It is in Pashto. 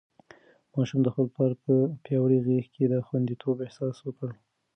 ماشوم د خپل پلار په پیاوړې غېږ کې د خونديتوب احساس وکړ.